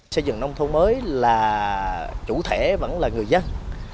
xây dựng nông thôn mới là chủ thể vẫn là người dân